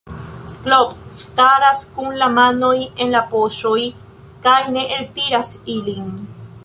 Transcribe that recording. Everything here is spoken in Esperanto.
Klomp staras kun la manoj en la poŝoj kaj ne eltiras ilin.